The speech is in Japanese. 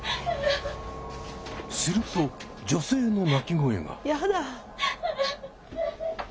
すると女性の泣き声が。